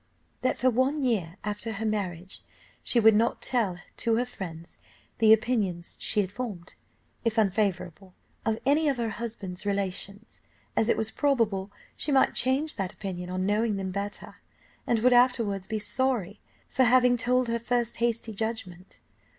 "That for one year after her marriage, she would not tell to her friends the opinion she had formed, if unfavourable, of any of her husband's relations, as it was probable she might change that opinion on knowing them better, and would afterwards be sorry for having told her first hasty judgment.